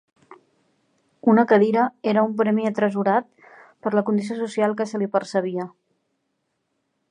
Una cadira era un premi atresorat, per la condició social que se li percebia.